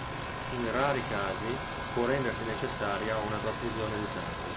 In rari casi può rendersi necessaria una trasfusione di sangue.